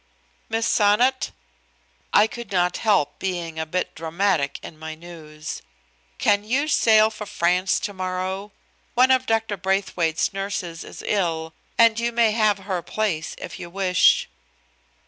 "Miss Sonnot!" I could not help being a bit dramatic in my news. "Can you sail for France tomorrow? One of Dr. Braithwaite's nurses is ill, and you may have her place, if you wish."